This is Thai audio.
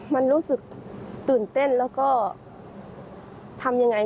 มันรู้สึกตื่นเต้นแล้วก็ทำยังไง